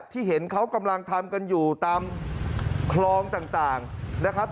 เห็นเขากำลังทำกันอยู่ตามคลองต่างนะครับ